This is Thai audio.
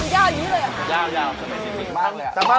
คำถามยาวอยู่เลย